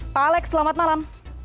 pak alex selamat malam